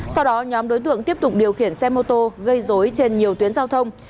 sau đó nhóm đối tượng tiếp tục điều khiển xe mô tô gây dối trên nhiều tuyến giao thông